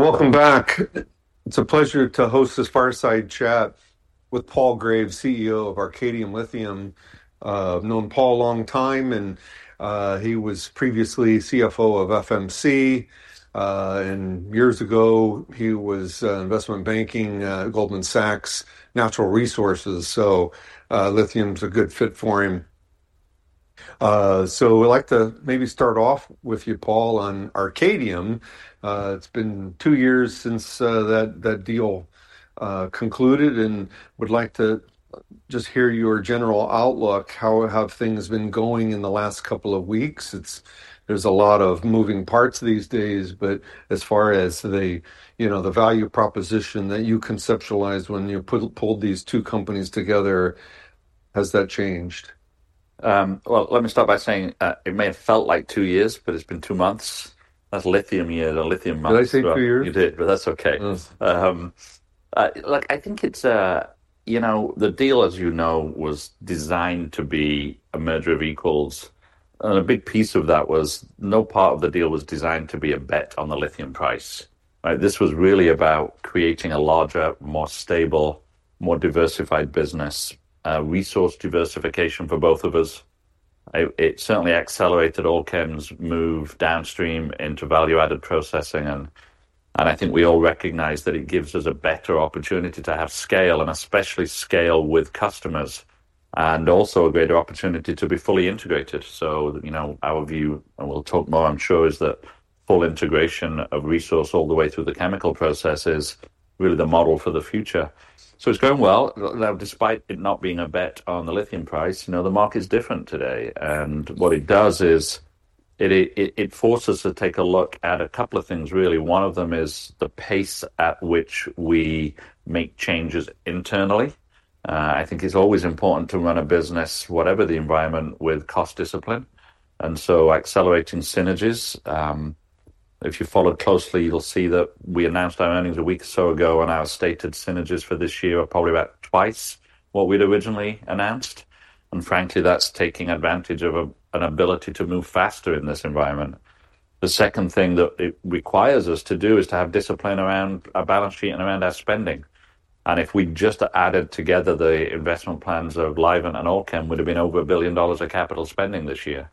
Welcome back. It's a pleasure to host this Fireside Chat with Paul Graves, CEO of Arcadium Lithium. I've known Paul a long time, and he was previously CFO of FMC. And years ago, he was investment banking, Goldman Sachs Natural Resources, so lithium's a good fit for him. So we'd like to maybe start off with you, Paul, on Arcadium. It's been two years since that deal concluded, and would like to just hear your general outlook, how have things been going in the last couple of weeks? It's. There's a lot of moving parts these days, but as far as the, you know, the value proposition that you conceptualized when you pulled these two companies together, has that changed? Well, let me start by saying, it may have felt like two years, but it's been two months. That's lithium year, the lithium months. Did I say two years? You did, but that's okay. Look, I think it's... You know, the deal, as you know, was designed to be a merger of equals. And a big piece of that was no part of the deal was designed to be a bet on the lithium price, right? This was really about creating a larger, more stable, more diversified business, resource diversification for both of us. It certainly accelerated Allkem's move downstream into value-added processing, and I think we all recognize that it gives us a better opportunity to have scale, and especially scale with customers, and also a greater opportunity to be fully integrated. So, you know, our view, and we'll talk more, I'm sure, is that full integration of resource all the way through the chemical process is really the model for the future. So it's going well. Now, despite it not being a bet on the lithium price, you know, the market is different today, and what it does is, it forces us to take a look at a couple of things, really. One of them is the pace at which we make changes internally. I think it's always important to run a business, whatever the environment, with cost discipline, and so accelerating synergies. If you followed closely, you'll see that we announced our earnings a week or so ago, and our stated synergies for this year are probably about twice what we'd originally announced, and frankly, that's taking advantage of an ability to move faster in this environment. The second thing that it requires us to do is to have discipline around our balance sheet and around our spending. If we just added together the investment plans of Livent and Allkem, would have been over $1 billion of capital spending this year.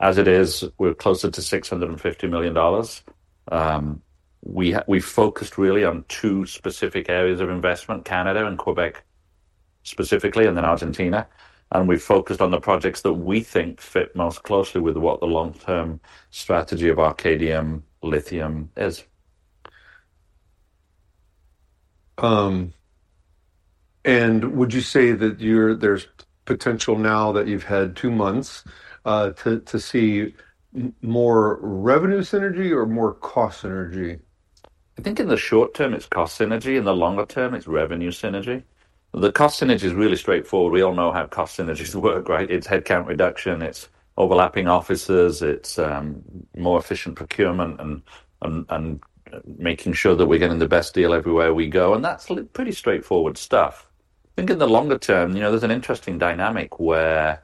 As it is, we're closer to $650 million. We focused really on two specific areas of investment, Canada and Quebec, specifically, and then Argentina, and we've focused on the projects that we think fit most closely with what the long-term strategy of Arcadium Lithium is. Would you say that there's potential now that you've had two months to see more revenue synergy or more cost synergy? I think in the short term, it's cost synergy, in the longer term, it's revenue synergy. The cost synergy is really straightforward. We all know how cost synergies work, right? It's headcount reduction, it's overlapping offices, it's more efficient procurement, and making sure that we're getting the best deal everywhere we go, and that's pretty straightforward stuff. I think in the longer term, you know, there's an interesting dynamic where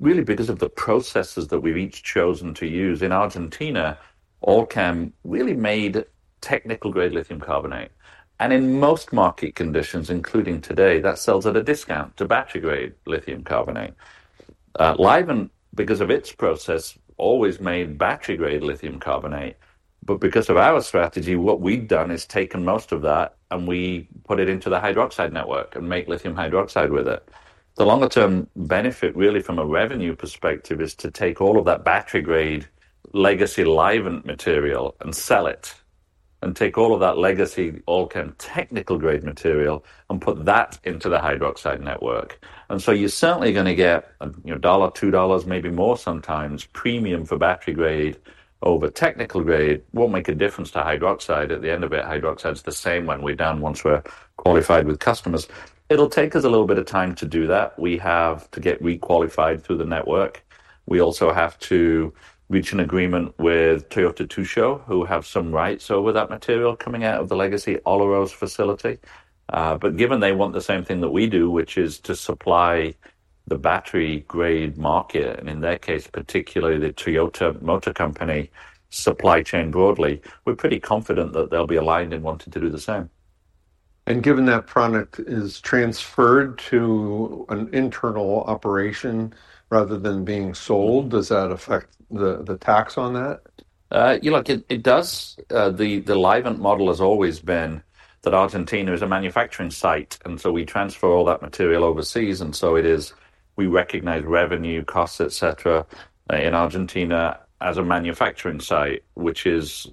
really, because of the processes that we've each chosen to use, in Argentina, Allkem really made technical-grade lithium carbonate, and in most market conditions, including today, that sells at a discount to battery-grade lithium carbonate. Livent, because of its process, always made battery-grade lithium carbonate, but because of our strategy, what we've done is taken most of that, and we put it into the hydroxide network and make lithium hydroxide with it. The longer-term benefit, really, from a revenue perspective, is to take all of that battery-grade legacy Livent material and sell it, and take all of that legacy Allkem technical-grade material and put that into the hydroxide network. And so you're certainly gonna get, you know, $1, $2, maybe more, sometimes, premium for battery grade over technical grade. Won't make a difference to hydroxide at the end of it. Hydroxide's the same when we're done, once we're qualified with customers. It'll take us a little bit of time to do that. We have to get re-qualified through the network. We also have to reach an agreement with Toyota Tsusho, who have some rights over that material coming out of the legacy Olaroz facility. But given they want the same thing that we do, which is to supply the battery-grade market, and in their case, particularly the Toyota Motor Company supply chain broadly, we're pretty confident that they'll be aligned in wanting to do the same. Given that product is transferred to an internal operation rather than being sold, does that affect the tax on that? You know, look, it does. The Livent model has always been that Argentina is a manufacturing site, and so we transfer all that material overseas, and so it is. We recognize revenue, costs, et cetera, in Argentina as a manufacturing site, which is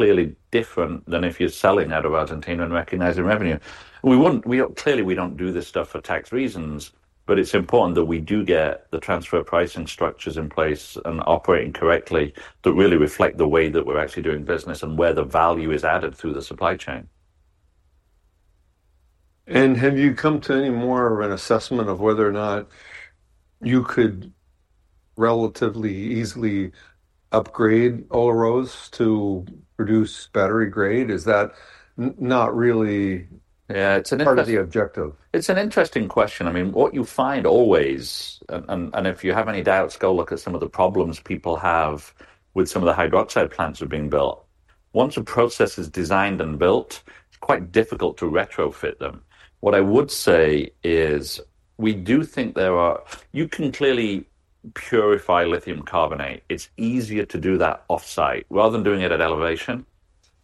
clearly different than if you're selling out of Argentina and recognizing revenue. We wouldn't. Clearly, we don't do this stuff for tax reasons, but it's important that we do get the transfer pricing structures in place and operating correctly to really reflect the way that we're actually doing business and where the value is added through the supply chain. Have you come to any more of an assessment of whether or not you could relatively easily upgrade Olaroz to produce battery grade? Is that not really- Yeah, it's an interes- Part of the objective. It's an interesting question. I mean, what you find always, and if you have any doubts, go look at some of the problems people have with some of the hydroxide plants that are being built. Once a process is designed and built, it's quite difficult to retrofit them. What I would say is, we do think there are. You can clearly purify lithium carbonate. It's easier to do that offsite rather than doing it at elevation,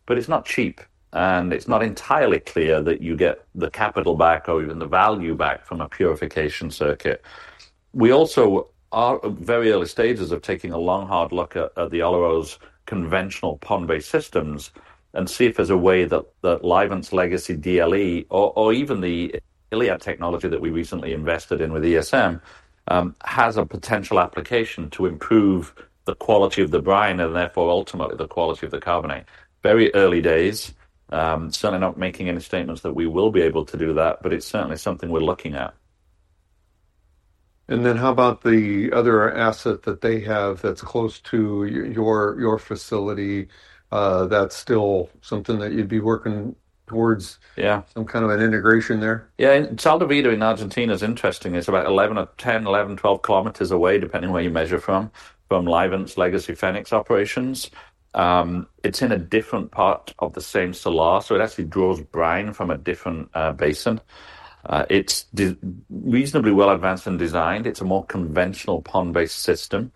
but it's not cheap, and it's not entirely clear that you get the capital back or even the value back from a purification circuit. We also are at very early stages of taking a long, hard look at the Olaroz conventional pond-based systems and see if there's a way that Livent's legacy DLE or even the ILiAD technology that we recently invested in with ESM has a potential application to improve the quality of the brine and therefore ultimately the quality of the carbonate. Very early days, certainly not making any statements that we will be able to do that, but it's certainly something we're looking at. How about the other asset that they have that's close to your facility? That's still something that you'd be working towards some kind of an integration there? Yeah, Sal de Vida in Argentina is interesting. It's about 11 or 10, 11, 12 km away, depending on where you measure from, from Livent's legacy Fenix operations. It's in a different part of the same salar, so it actually draws brine from a different basin. It's reasonably well advanced and designed. It's a more conventional pond-based system.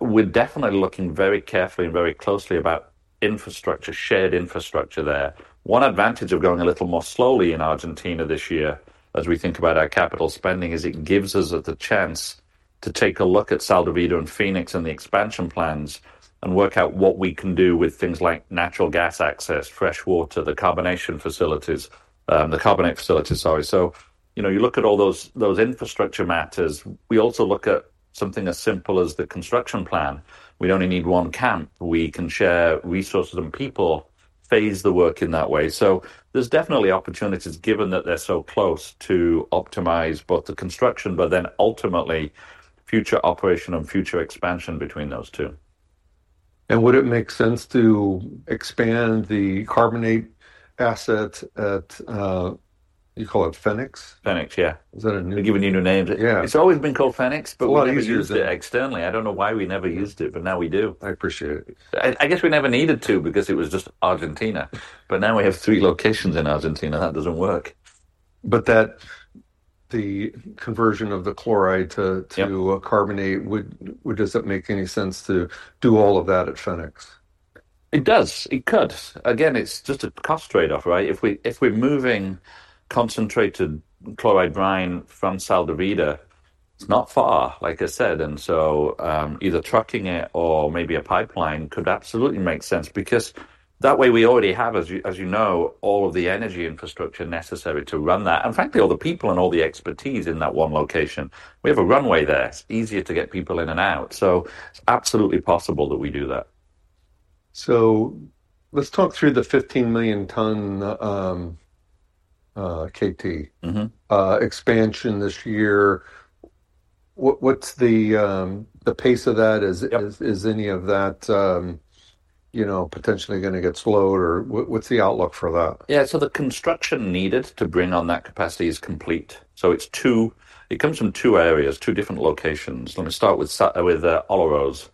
We're definitely looking very carefully and very closely about infrastructure, shared infrastructure there. One advantage of going a little more slowly in Argentina this year, as we think about our capital spending, is it gives us the chance to take a look at Sal de Vida and Fenix and the expansion plans and work out what we can do with things like natural gas access, fresh water, the carbonation facilities, the carbonate facilities, sorry. So, you know, you look at all those, those infrastructure matters. We also look at something as simple as the construction plan. We only need one camp. We can share resources and people, phase the work in that way. So there's definitely opportunities, given that they're so close, to optimize both the construction, but then ultimately future operation and future expansion between those two. Would it make sense to expand the carbonate asset at, you call it Fenix? Fenix, yeah. Is that a new- We're giving new names. Yeah. It's always been called Fenix- A lot easier... but we never used it externally. I don't know why we never used it, but now we do. I appreciate it. I guess we never needed to because it was just Argentina, but now we have three locations in Argentina. That doesn't work. But that, the conversion of the chloride to carbonate, would does it make any sense to do all of that at Fenix? It does. It could. Again, it's just a cost trade-off, right? If we're moving concentrated chloride brine from Sal de Vida, it's not far, like I said, and so, either trucking it or maybe a pipeline could absolutely make sense because that way we already have, as you know, all of the energy infrastructure necessary to run that, and frankly, all the people and all the expertise in that one location. We have a runway there. It's easier to get people in and out, so it's absolutely possible that we do that. So let's talk through the 15 million tonne, kt expansion this year. What, what's the pace of that? Yep. Is any of that, you know, potentially gonna get slowed or what, what's the outlook for that? Yeah, so the construction needed to bring on that capacity is complete. So it's two, it comes from two areas, two different locations. Let me start with Olaroz.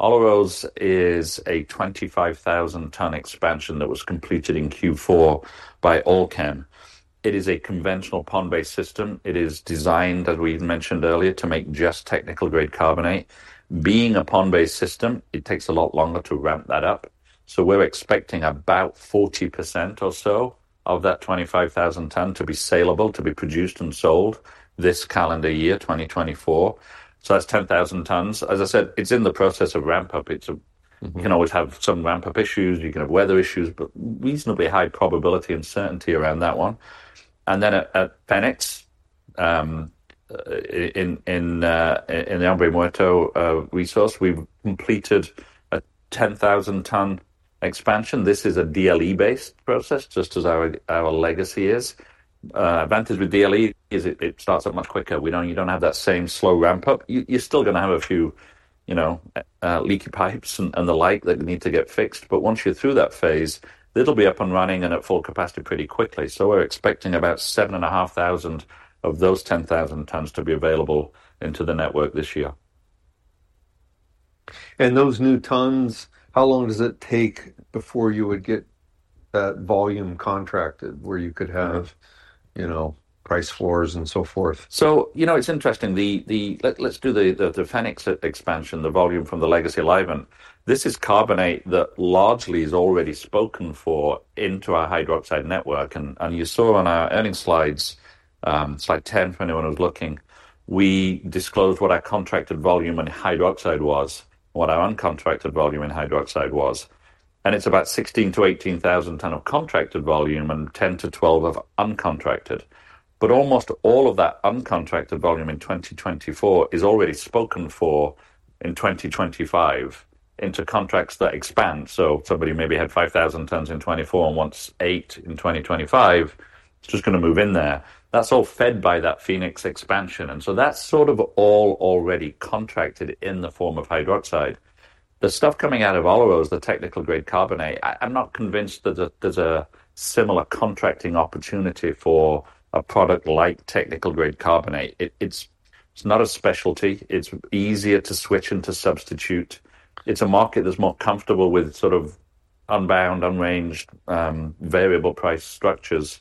Olaroz is a 25,000 tonne expansion that was completed in Q4 by Allkem. It is a conventional pond-based system. It is designed, as we mentioned earlier, to make just technical grade carbonate. Being a pond-based system, it takes a lot longer to ramp that up. So we're expecting about 40% or so of that 25,000 tonne to be saleable, to be produced and sold this calendar year, 2024. So that's 10,000 tonnes. As I said, it's in the process of ramp-up. It's a you can always have some ramp-up issues, you can have weather issues, but reasonably high probability and certainty around that one. And then at Fenix, in the Hombre Muerto resource, we've completed a 10,000 tonne expansion. This is a DLE-based process, just as our legacy is. Advantage with DLE is it starts up much quicker. We don't, you don't have that same slow ramp-up. You're still gonna have a few, you know, leaky pipes and the like that need to get fixed, but once you're through that phase, it'll be up and running and at full capacity pretty quickly. So we're expecting about 7,500 of those 10,000 tonnes to be available into the network this year. Those new tons, how long does it take before you would get that volume contracted where you could have- Right You know, price floors and so forth? So, you know, it's interesting. Let's do the Fenix expansion, the volume from the legacy Livent. This is carbonate that largely is already spoken for into our hydroxide network. And you saw on our earnings slides, Slide 10, for anyone who's looking, we disclosed what our contracted volume in hydroxide was, what our uncontracted volume in hydroxide was, and it's about 16,000-18,000 tons of contracted volume and 10,000-12,000 of uncontracted. But almost all of that uncontracted volume in 2024 is already spoken for in 2025 into contracts that expand. So somebody maybe had 5,000 tons in 2024 and wants 8 in 2025, is just gonna move in there. That's all fed by that Fenix expansion, and so that's sort of all already contracted in the form of hydroxide. The stuff coming out of Olaroz, the technical-grade carbonate, I'm not convinced that there's a similar contracting opportunity for a product like technical-grade carbonate. It's not a specialty. It's easier to switch and to substitute. It's a market that's more comfortable with sort of unbound, unranged, variable price structures.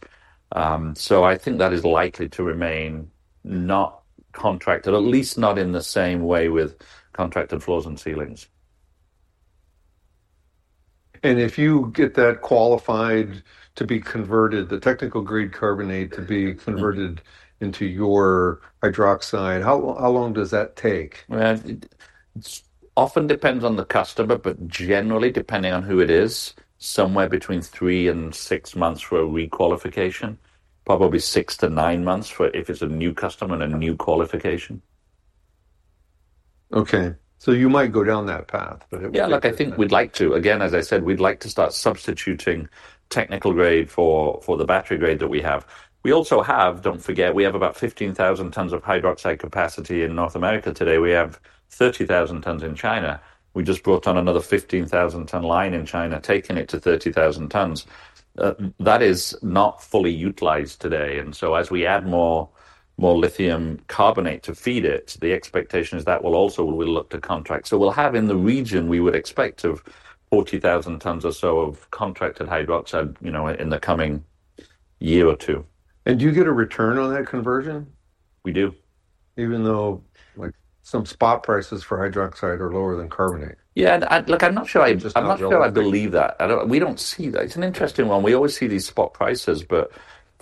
So I think that is likely to remain not contracted, at least not in the same way with contracted floors and ceilings. If you get that qualified to be converted, the technical-grade carbonate to be converted into your hydroxide, how long does that take? Well, it often depends on the customer, but generally, depending on who it is, somewhere between three-six months for a requalification. Probably six- months for if it's a new customer and a new qualification. Okay, so you might go down that path, but it- Yeah, look, I think we'd like to. Again, as I said, we'd like to start substituting technical grade for the battery grade that we have. We also have... Don't forget, we have about 15,000 tons of hydroxide capacity in North America today. We have 30,000 tons in China. We just brought on another 15,000-ton line in China, taking it to 30,000 tons. That is not fully utilized today, and so as we add more lithium carbonate to feed it, the expectation is that will also look to contract. So we'll have in the region, we would expect, of 40,000 tons or so of contracted hydroxide, you know, in the coming year or two. Do you get a return on that conversion? We do. Even though, like, some spot prices for hydroxide are lower than carbonate? Yeah, and, look, I'm not sure I- Just not relevant. I'm not sure I believe that. I don't, we don't see that. It's an interesting one. We always see these spot prices, but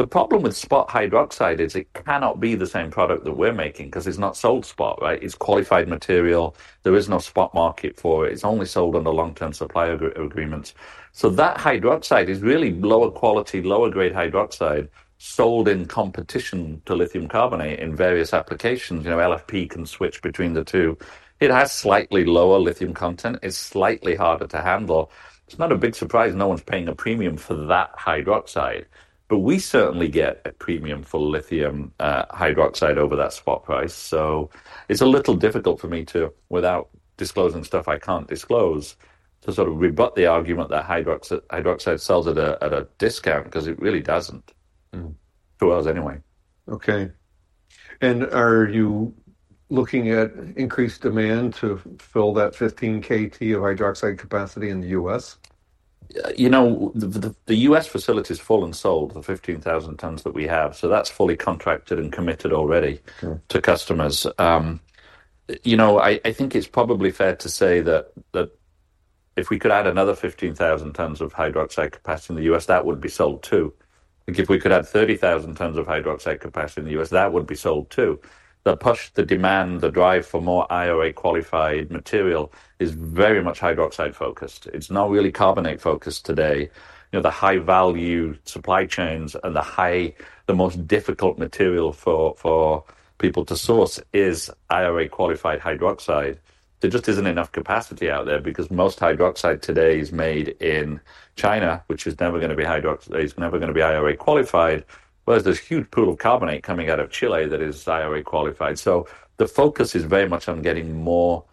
the problem with spot hydroxide is it cannot be the same product that we're making 'cause it's not sold spot, right? It's qualified material. There is no spot market for it. It's only sold under long-term supplier agreements. So that hydroxide is really lower quality, lower grade hydroxide, sold in competition to lithium carbonate in various applications. You know, LFP can switch between the two. It has slightly lower lithium content. It's slightly harder to handle. It's not a big surprise no one's paying a premium for that hydroxide. We certainly get a premium for lithium hydroxide over that spot price, so it's a little difficult for me to, without disclosing stuff I can't disclose, to sort of rebut the argument that hydroxide sells at a discount, 'cause it really doesn't to us anyway. Okay. Are you looking at increased demand to fill that 15 kt of hydroxide capacity in the U.S.? You know, the U.S. facility is full and sold, the 15,000 tons that we have, so that's fully contracted and committed already to customers. You know, I think it's probably fair to say that if we could add another 15,000 tons of hydroxide capacity in the U.S., that would be sold, too. I think if we could add 30,000 tons of hydroxide capacity in the U.S., that would be sold, too. The push, the demand, the drive for more IRA-qualified material is very much hydroxide-focused. It's not really carbonate-focused today. You know, the high-value supply chains and the high- the most difficult material for people to source is IRA-qualified hydroxide. There just isn't enough capacity out there because most hydroxide today is made in China, which is never gonna be IRA-qualified. Whereas there's a huge pool of carbonate coming out of Chile that is IRA-qualified. So the focus is very much on getting more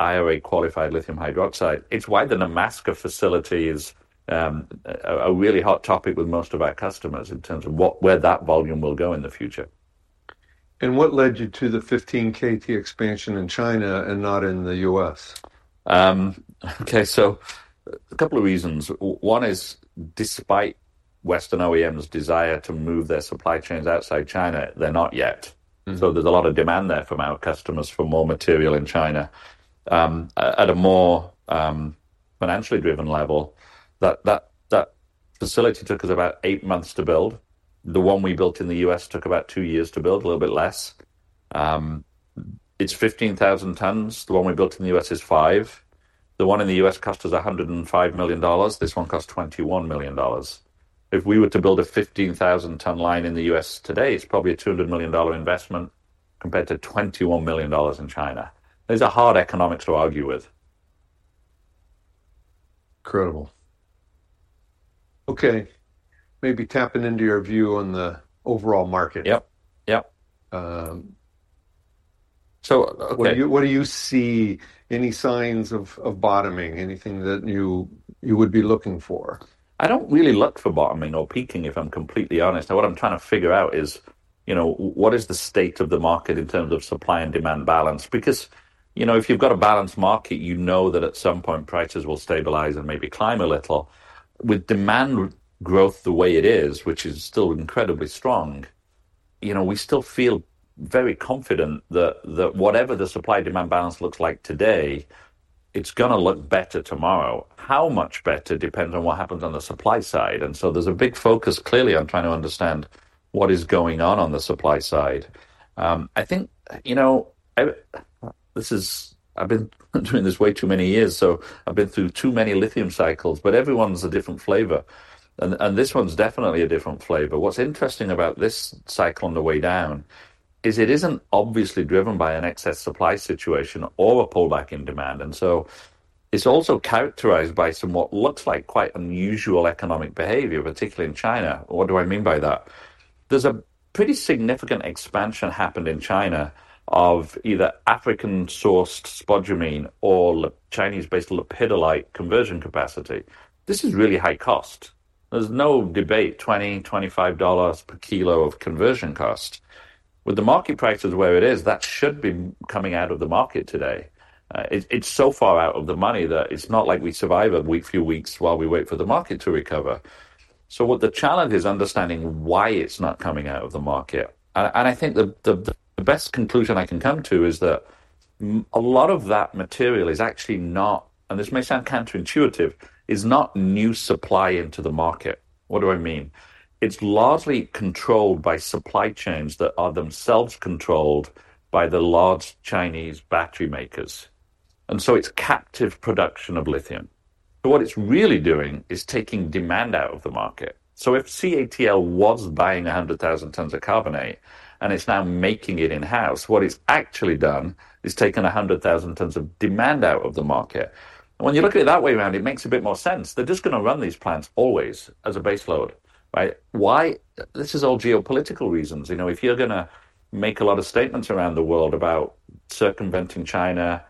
IRA-qualified lithium hydroxide. It's why the Nemaska facility is a really hot topic with most of our customers in terms of what- where that volume will go in the future. What led you to the 15 kt expansion in China and not in the U.S.? Okay, so a couple of reasons. One is, despite Western OEMs' desire to move their supply chains outside China, they're not yet. So there's a lot of demand there from our customers for more material in China. At a more financially driven level, that facility took us about eight months to build. The one we built in the US took about two years to build, a little bit less. It's 15,000 tons. The one we built in the US is 5,000. The one in the US cost us $105 million. This one cost $21 million. If we were to build a 15,000-ton line in the US today, it's probably a $200 million investment, compared to $21 million in China. Those are hard economics to argue with. Incredible. Okay, maybe tapping into your view on the overall market. Yep, yep. So, okay- What do you see, any signs of bottoming? Anything that you would be looking for? I don't really look for bottoming or peaking, if I'm completely honest. Now, what I'm trying to figure out is, you know, what is the state of the market in terms of supply and demand balance? Because, you know, if you've got a balanced market, you know that at some point, prices will stabilize and maybe climb a little. With demand growth the way it is, which is still incredibly strong, you know, we still feel very confident that, that whatever the supply-demand balance looks like today, it's gonna look better tomorrow. How much better depends on what happens on the supply side, and so there's a big focus, clearly, on trying to understand what is going on the supply side. I think, you know, this is. I've been doing this way too many years, so I've been through too many lithium cycles, but every one's a different flavor, and this one's definitely a different flavor. What's interesting about this cycle on the way down is it isn't obviously driven by an excess supply situation or a pullback in demand, and so it's also characterized by somewhat what looks like quite unusual economic behavior, particularly in China. What do I mean by that? There's a pretty significant expansion happened in China of either African-sourced spodumene or Chinese-based lepidolite conversion capacity. This is really high cost. There's no debate, $20-$25 per kilo of conversion cost. With the market prices where it is, that should be coming out of the market today. It's so far out of the money that it's not like we survive a week, few weeks while we wait for the market to recover. So what the challenge is understanding why it's not coming out of the market. And I think the best conclusion I can come to is that a lot of that material is actually not, and this may sound counterintuitive, is not new supply into the market. What do I mean? It's largely controlled by supply chains that are themselves controlled by the large Chinese battery makers, and so it's captive production of lithium. But what it's really doing is taking demand out of the market. So if CATL was buying 100,000 tons of carbonate and it's now making it in-house, what it's actually done is taken 100,000 tons of demand out of the market. And when you look at it that way around, it makes a bit more sense. They're just gonna run these plants always as a base load, right? Why? This is all geopolitical reasons. You know, if you're gonna make a lot of statements around the world about circumventing China,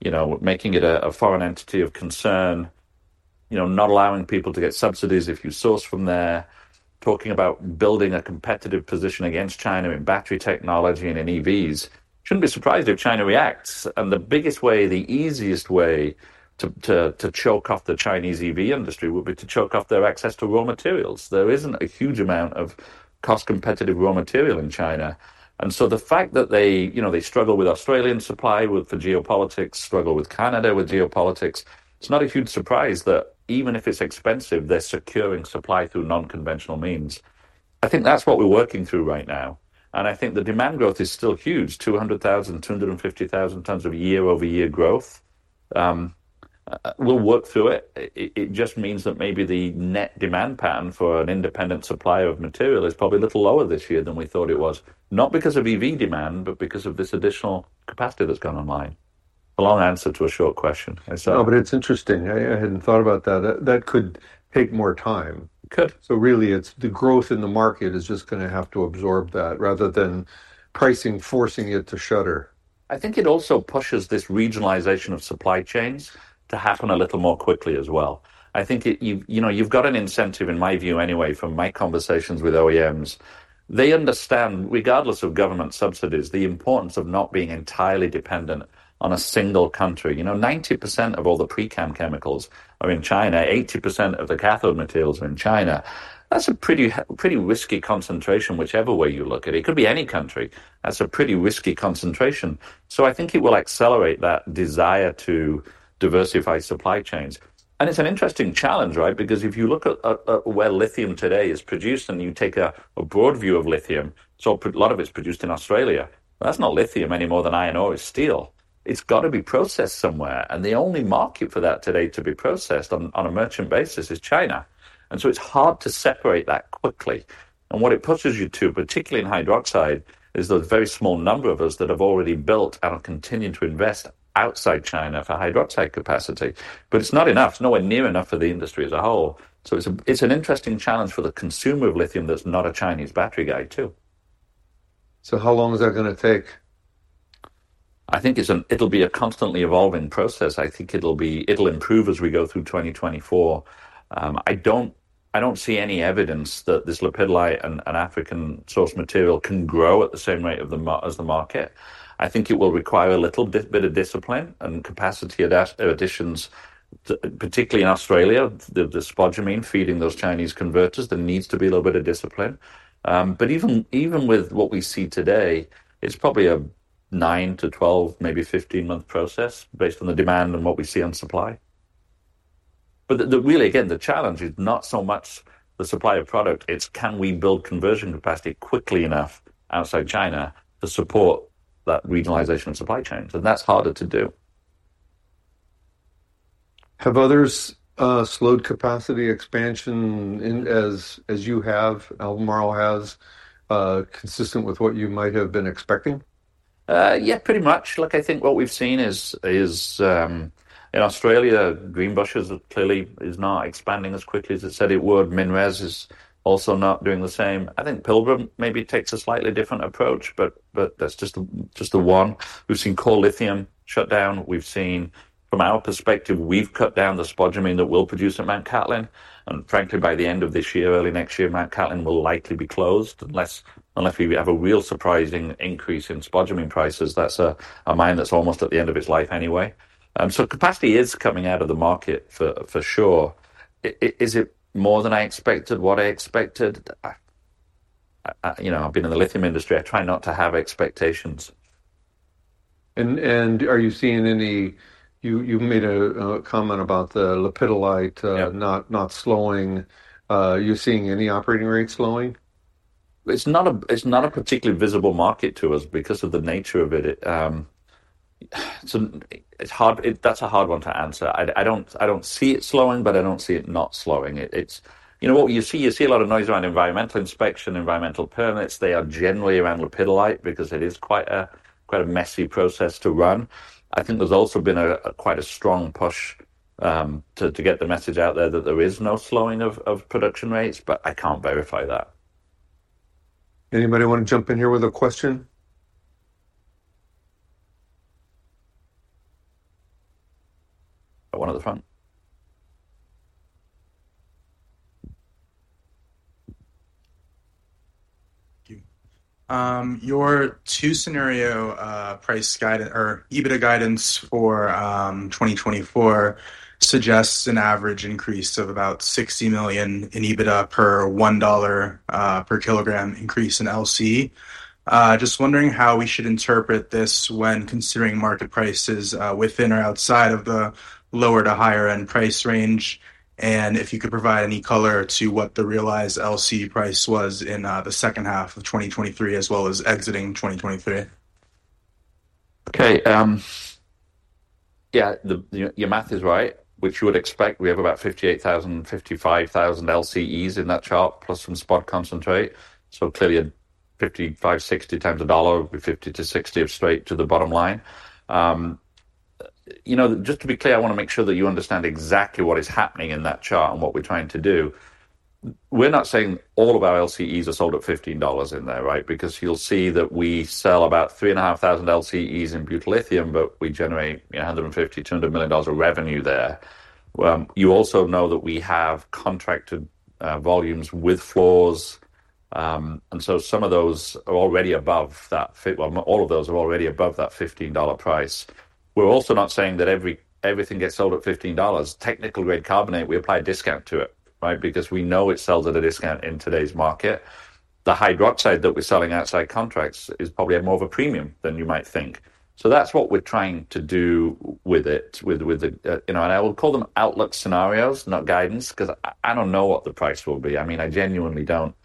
you know, making it a foreign entity of concern, you know, not allowing people to get subsidies if you source from there, talking about building a competitive position against China in battery technology and in EVs, shouldn't be surprised if China reacts. And the biggest way, the easiest way to choke off the Chinese EV industry would be to choke off their access to raw materials. There isn't a huge amount of cost-competitive raw material in China, and so the fact that they, you know, they struggle with Australian supply, with the geopolitics, struggle with Canada, with geopolitics, it's not a huge surprise that even if it's expensive, they're securing supply through non-conventional means. I think that's what we're working through right now, and I think the demand growth is still huge, 200,000-250,000 tons of year-over-year growth. We'll work through it. It, it, it just means that maybe the net demand pattern for an independent supplier of material is probably a little lower this year than we thought it was, not because of EV demand, but because of this additional capacity that's gone online. A long answer to a short question, I'm sorry. No, but it's interesting. I hadn't thought about that. That could take more time. It could. Really, it's the growth in the market is just gonna have to absorb that, rather than pricing forcing it to shutter. I think it also pushes this regionalization of supply chains to happen a little more quickly as well. I think it... You've, you know, you've got an incentive, in my view anyway, from my conversations with OEMs. They understand, regardless of government subsidies, the importance of not being entirely dependent on a single country. You know, 90% of all the pre-chem chemicals are in China. 80% of the cathode materials are in China. That's a pretty risky concentration, whichever way you look at it. It could be any country. That's a pretty risky concentration. So I think it will accelerate that desire to diversify supply chains. And it's an interesting challenge, right? Because if you look at where lithium today is produced and you take a broad view of lithium, so a lot of it's produced in Australia. That's not lithium any more than iron ore is steel. It's got to be processed somewhere, and the only market for that today to be processed on a merchant basis is China, and so it's hard to separate that quickly. And what it pushes you to, particularly in hydroxide, is the very small number of us that have already built and are continuing to invest outside China for hydroxide capacity. But it's not enough, it's nowhere near enough for the industry as a whole. So it's an interesting challenge for the consumer of lithium that's not a Chinese battery guy, too. How long is that gonna take? I think it'll be a constantly evolving process. I think it'll be—it'll improve as we go through 2024. I don't see any evidence that this lepidolite and African source material can grow at the same rate as the market. I think it will require a little bit of discipline and capacity additions, particularly in Australia, the spodumene feeding those Chinese converters. There needs to be a little bit of discipline. But even with what we see today, it's probably a 9-12, maybe 15-month process based on the demand and what we see on supply. But the really, again, the challenge is not so much the supply of product, it's can we build conversion capacity quickly enough outside China to support that regionalization of supply chains, and that's harder to do. Have others slowed capacity expansion in as, as you have, Albemarle has, consistent with what you might have been expecting? Yeah, pretty much. Look, I think what we've seen is in Australia, Greenbushes clearly is not expanding as quickly as it said it would. MinRes is also not doing the same. I think Pilbara maybe takes a slightly different approach, but that's just the one. We've seen Core Lithium shut down. From our perspective, we've cut down the spodumene that we'll produce at Mt Cattlin, and frankly, by the end of this year, early next year, Mt Cattlin will likely be closed, unless we have a real surprising increase in spodumene prices. That's a mine that's almost at the end of its life anyway. So capacity is coming out of the market for sure. Is it more than I expected, what I expected? You know, I've been in the lithium industry. I try not to have expectations. Are you seeing any... You made a comment about the lepidolite not slowing. Are you seeing any operating rates slowing? It's not a particularly visible market to us because of the nature of it. So it's hard, that's a hard one to answer. I don't see it slowing, but I don't see it not slowing. It's, you know what you see? You see a lot of noise around environmental inspection, environmental permits. They are generally around lepidolite because it is quite a messy process to run. I think there's also been quite a strong push to get the message out there that there is no slowing of production rates, but I can't verify that. Anybody wanna jump in here with a question? One at the front. Thank you. Your two scenario price guide or EBITDA guidance for 2024 suggests an average increase of about $60 million in EBITDA per $1 per kilogram increase in LCE. Just wondering how we should interpret this when considering market prices within or outside of the lower to higher end price range, and if you could provide any color to what the realized LCE price was in the second half of 2023, as well as exiting 2023. Okay, yeah, the, your math is right, which you would expect. We have about 58,000, 55,000 LCEs in that chart, plus some spot concentrate. So clearly, a 55, 60 times a dollar, would be 50-60 of straight to the bottom line. You know, just to be clear, I wanna make sure that you understand exactly what is happening in that chart and what we're trying to do. We're not saying all of our LCEs are sold at $15 in there, right? Because you'll see that we sell about 3,500 LCEs in butyllithium, but we generate, yeah, $150-$200 million of revenue there. You also know that we have contracted volumes with floors. And so some of those are already above that fif... Well, all of those are already above that $15 price. We're also not saying that everything gets sold at $15. Technical grade carbonate, we apply a discount to it, right? Because we know it sells at a discount in today's market. The hydroxide that we're selling outside contracts is probably at more of a premium than you might think. So that's what we're trying to do with it, with the, you know, and I will call them outlook scenarios, not guidance, 'cause I, I don't know what the price will be. I mean, I genuinely don't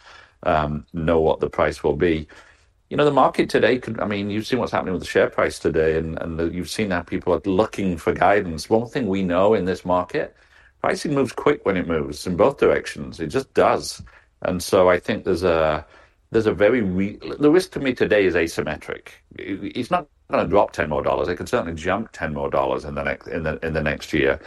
know what the price will be. You know, the market today could... I mean, you've seen what's happening with the share price today, and, and you've seen how people are looking for guidance. One thing we know in this market, pricing moves quick when it moves in both directions. It just does. And so I think there's a very real risk to me today is asymmetric. It's not gonna drop $10 more. It could certainly jump $10 more in the next year.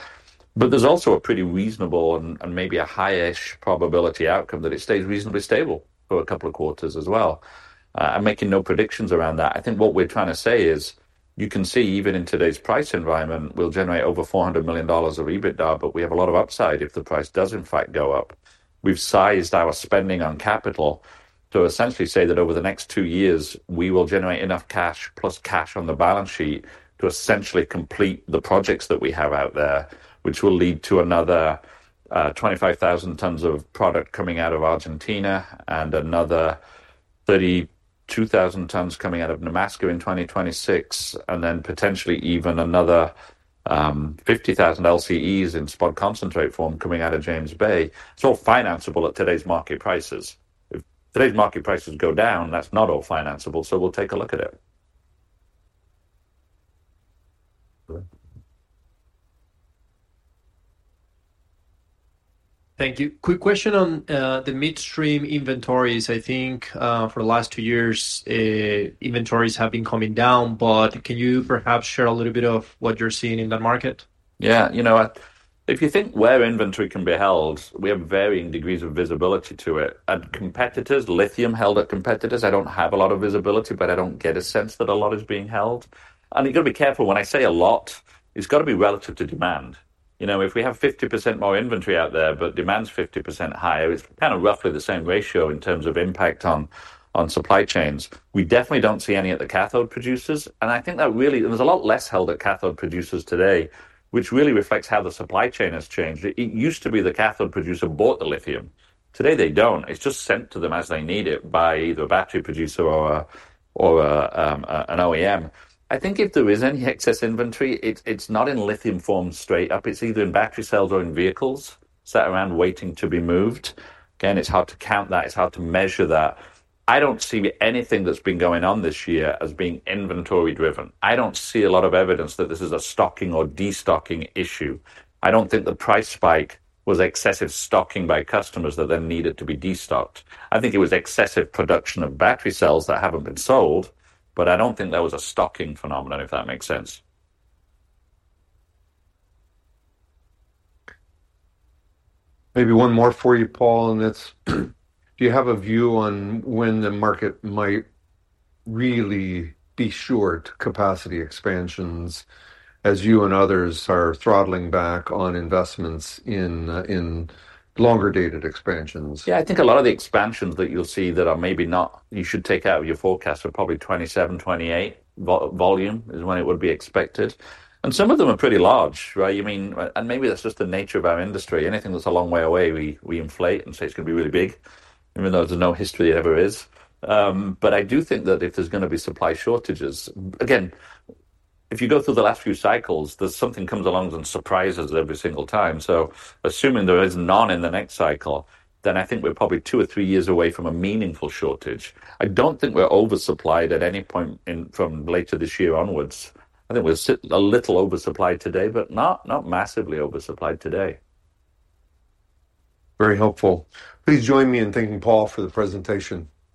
But there's also a pretty reasonable and maybe a high-ish probability outcome that it stays reasonably stable for a couple of quarters as well. I'm making no predictions around that. I think what we're trying to say is, you can see, even in today's price environment, we'll generate over $400 million of EBITDA, but we have a lot of upside if the price does in fact go up. We've sized our spending on capital to essentially say that over the next two years, we will generate enough cash, plus cash on the balance sheet, to essentially complete the projects that we have out there, which will lead to another 25,000 tons of product coming out of Argentina and another 32,000 tons coming out of Nemaska in 2026, and then potentially even another 50,000 LCEs in spot concentrate form coming out of James Bay. It's all financeable at today's market prices. If today's market prices go down, that's not all financeable, so we'll take a look at it. Thank you. Quick question on the midstream inventories. I think for the last two years inventories have been coming down, but can you perhaps share a little bit of what you're seeing in that market? Yeah, you know what? If you think where inventory can be held, we have varying degrees of visibility to it. At competitors, lithium held at competitors, I don't have a lot of visibility, but I don't get a sense that a lot is being held. You got to be careful, when I say a lot, it's got to be relative to demand. You know, if we have 50% more inventory out there, but demand's 50% higher, it's kind of roughly the same ratio in terms of impact on, on supply chains. We definitely don't see any at the cathode producers, and I think that really, there's a lot less held at cathode producers today, which really reflects how the supply chain has changed. It, it used to be the cathode producer bought the lithium. Today, they don't. It's just sent to them as they need it by either a battery producer or an OEM. I think if there is any excess inventory, it's not in lithium form straight up. It's either in battery cells or in vehicles, sat around waiting to be moved. Again, it's hard to count that. It's hard to measure that. I don't see anything that's been going on this year as being inventory driven. I don't see a lot of evidence that this is a stocking or destocking issue. I don't think the price spike was excessive stocking by customers that then needed to be destocked. I think it was excessive production of battery cells that haven't been sold, but I don't think there was a stocking phenomenon, if that makes sense. Maybe one more for you, Paul, and it's: do you have a view on when the market might really be short capacity expansions, as you and others are throttling back on investments in longer-dated expansions? Yeah, I think a lot of the expansions that you'll see that are maybe not, you should take out of your forecast, are probably 27, 28. Volume is when it would be expected, and some of them are pretty large, right? You mean... And maybe that's just the nature of our industry. Anything that's a long way away, we, we inflate and say it's gonna be really big, even though there's no history it ever is. But I do think that if there's gonna be supply shortages... Again, if you go through the last few cycles, there's something comes along and surprises every single time. So assuming there is none in the next cycle, then I think we're probably two or three years away from a meaningful shortage. I don't think we're oversupplied at any point in, from later this year onwards. I think we're a little oversupplied today, but not massively oversupplied today. Very helpful. Please join me in thanking Paul for the presentation.